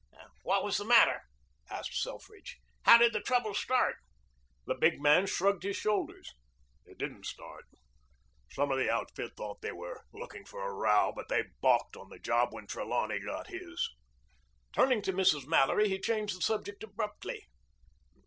"What was the matter?" asked Selfridge. "How did the trouble start?" The big man shrugged his shoulders. "It didn't start. Some of the outfit thought they were looking for a row, but they balked on the job when Trelawney got his." Turning to Mrs. Mallory, he changed the subject abruptly.